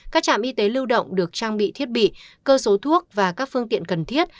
các trạm y tế lưu động được trang bị thiết bị cơ số thuốc và các phương tiện cần thiết